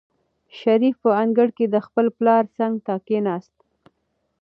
شریف په انګړ کې د خپل پلار څنګ ته کېناست.